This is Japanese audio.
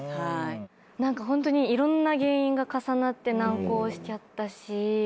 何かホントにいろんな原因が重なって難航しちゃったし。